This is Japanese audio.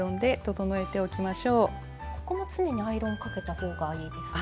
ここも常にアイロンかけた方がいいですか？